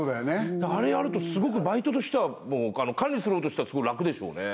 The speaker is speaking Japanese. だからあれがあるとすごくバイトとしてはもう管理する方としてはすごい楽でしょうね